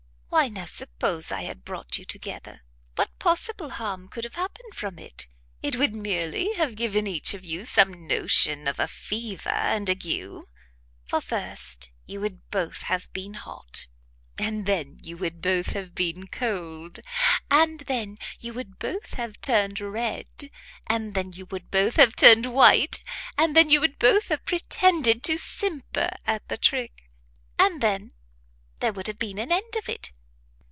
"Why now suppose I had brought you together, what possible harm could have happened from it? It would merely have given each of you some notion of a fever and ague; for first you would both have been hot, and then you would both have been cold, and then you would both have turned red, and then you would both have turned white, and then you would both have pretended to simper at the trick; and then there would have been an end of it."